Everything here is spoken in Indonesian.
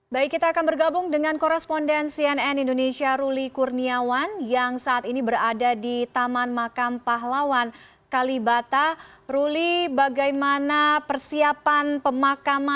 sudah dipastikan bisa